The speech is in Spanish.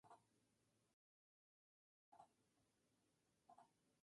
Empieza a escribir poesía y cuentos.